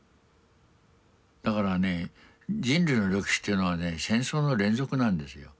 だからね人類の歴史というのはね戦争の連続なんですよ。